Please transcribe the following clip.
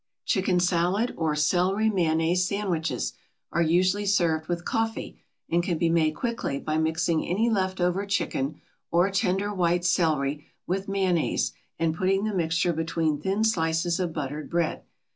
CHICKEN SALAD OR CELERY MAYONNAISE SANDWICHES are usually served with coffee, and can be made quickly by mixing any left over chicken, or tender white celery, with mayonnaise, and putting the mixture between thin slices of buttered bread.